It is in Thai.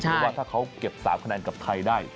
เพราะว่าถ้าเขาเก็บ๓คะแนนกับไทยได้